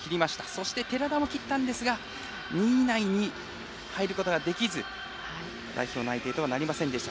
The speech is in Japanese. そして寺田も切ったのですが２位以内に入ることができず代表内定とはなりませんでした。